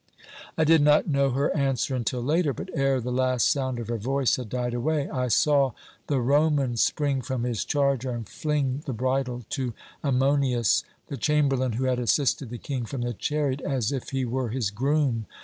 "I did not know her answer until later; but ere the last sound of her voice had died away, I saw the Roman spring from his charger and fling the bridle to Ammonius the chamberlain who had assisted the King from the chariot as if he were his groom.